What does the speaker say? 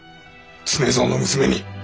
常蔵の娘に。